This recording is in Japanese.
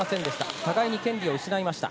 互いに権利を失いました。